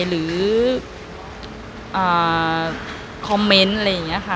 หรือคอมเมนต์อะไรอย่างนี้ค่ะ